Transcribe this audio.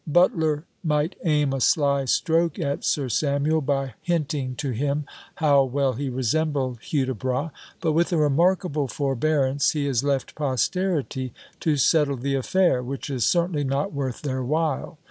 Butler might aim a sly stroke at Sir Samuel by hinting to him how well he resembled Hudibras, but with a remarkable forbearance he has left posterity to settle the affair, which is certainly not worth their while.